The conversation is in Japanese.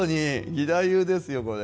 義太夫ですよこれ。